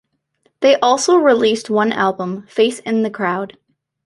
They also released one album, "Face in the Crowd".